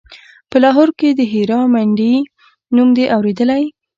په لاهور کښې د هيرا منډيي نوم دې اورېدلى.